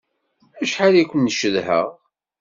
Acḥal i ken-cedhaɣ!